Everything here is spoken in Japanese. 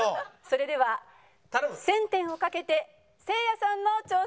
それでは１０００点を賭けてせいやさんの挑戦です。